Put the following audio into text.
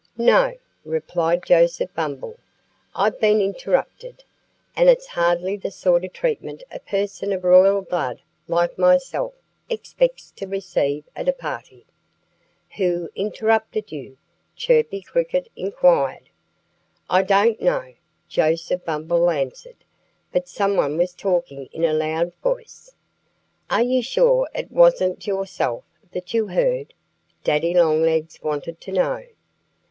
"No!" replied Joseph Bumble. "I've been interrupted. And it's hardly the sort of treatment a person of royal blood like myself expects to receive at a party." "Who interrupted you?" Chirpy Cricket inquired. "I don't know," Joseph Bumble answered. "But someone was talking in a loud voice." "Are you sure it wasn't yourself that you heard?" Daddy Longlegs wanted to know.